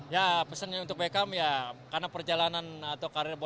ya pesannya untuk bekam ya karena perjalanan atau karirnya ya